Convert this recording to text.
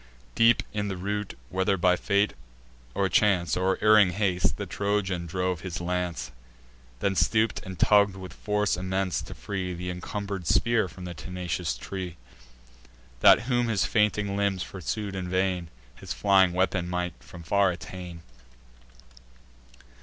Deep in the root, whether by fate, or chance, Or erring haste, the Trojan drove his lance; Then stoop'd, and tugg'd with force immense, to free Th' incumber'd spear from the tenacious tree; That, whom his fainting limbs pursued in vain, His flying weapon might from far attain.